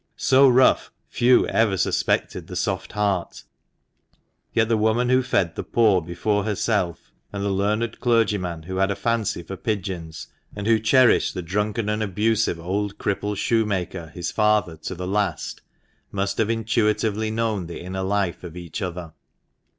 So rough, few ever suspected the soft heart ; yet the woman who fed the poor before herself, and the learned clergyman who had a fancy for pigeons, and who cherished the drunken and abusive old crippled shoemaker, his father, to the last, must have intuitively known the inner life of each other.